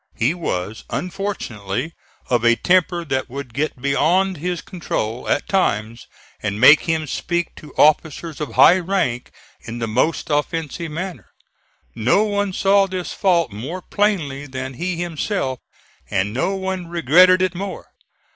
He was unfortunately of a temper that would get beyond his control, at times, and make him speak to officers of high rank in the most offensive manner. No one saw this fault more plainly than he himself, and no one regretted it more.